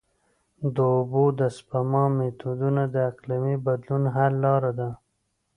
د اوبو د سپما میتودونه د اقلیمي بدلون حل لاره ده.